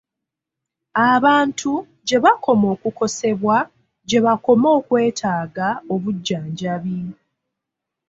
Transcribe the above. Abantu gye bakoma okukosebwa, gye bakoma okwetaaga obujjanjabi.